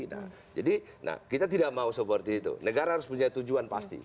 nah jadi nah kita tidak mau seperti itu negara harus punya tujuan pasti